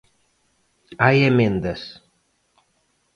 Hai emendas.